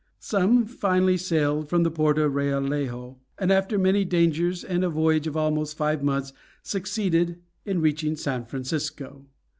Some finally sailed from the port of Realejo, and after many dangers and a voyage of almost five months succeeded in reaching San Francisco.